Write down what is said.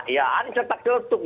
ya ada cetak cetuk